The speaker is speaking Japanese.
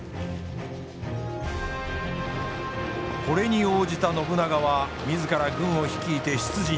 これに応じた信長は自ら軍を率いて出陣。